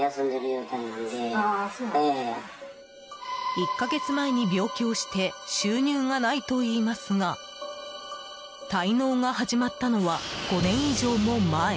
１か月前に病気をして収入がないと言いますが滞納が始まったのは５年以上も前。